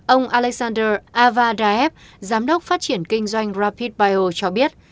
ông alexander avardaev giám đốc phát triển kinh doanh rapidbio cho biết